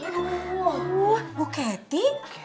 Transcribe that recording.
bu bu kety